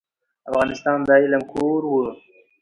افغانستان د علم کور و.